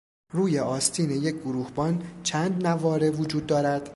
روی آستین یک گروهبان چند نواره وجود دارد؟